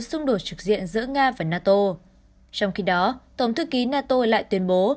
xung đột trực diện giữa nga và nato trong khi đó tổng thư ký nato lại tuyên bố